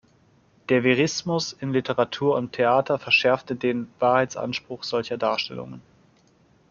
Der Verismus in Literatur und Theater verschärfte den Wahrheitsanspruch solcher Darstellungen.